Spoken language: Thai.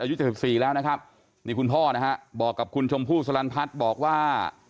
อายุ๗๔แล้วนะครับนี่คุณพ่อนะฮะบอกกับคุณชมพู่สลันพัฒน์บอกว่า